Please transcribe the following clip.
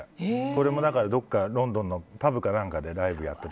これもどこかロンドンのパブか何かでライブをやって。